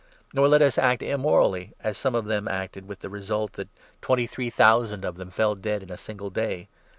Nor let us act immorally, as some of them acted, with the result 8 that twenty three thousand of them fell dead in a single day.